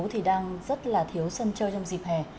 thì đang rất là thiếu sân chơi trong dịp hè